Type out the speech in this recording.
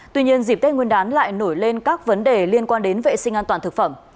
tuy nhiên dịp tết nguyên đán lại nổi lên các vấn đề liên quan đến vệ sinh an toàn thực phẩm